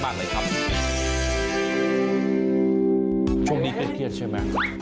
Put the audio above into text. โชคดีเครื่องเครียดใช่ไหม